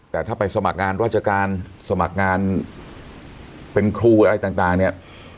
แต่ถ้าไปสมัครงานราชการสมัครงานเป็นครูอะไรต่างเนี่ย